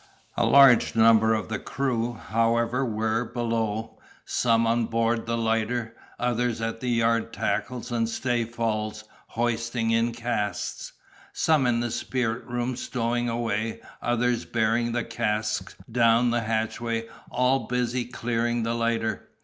A large number of the crew, however, were below; some on board the lighter, others at the yard tackles and stay falls, hoisting in casks; some in the spirit room stowing away, others bearing the casks down the hatchway, all busy clearing the lighter.